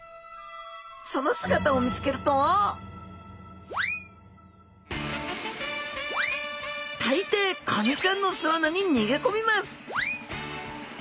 その姿を見つけると大抵カニちゃんの巣穴に逃げ込みます